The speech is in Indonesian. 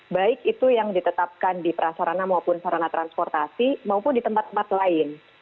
baik itu yang ditetapkan di prasarana maupun sarana transportasi maupun di tempat tempat lain